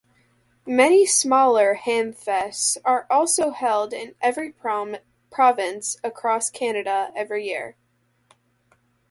Many smaller Hamfests are also held in every province across Canada each year.